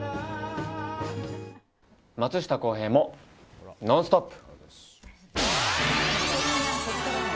松下洸平も「ノンストップ！」。